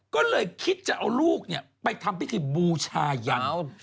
ก็เลยคิดจะเอาลูกไปทำพิธีบูชายัน